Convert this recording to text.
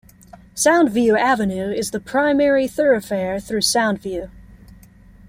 Soundview Avenue is the primary thoroughfare through Soundview.